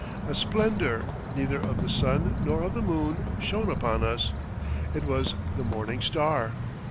A splendor, neither of the sun nor of the moon, shone upon us. It was the morning star.